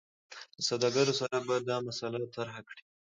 له سوداګرو سره به دا مسله طرحه کړي.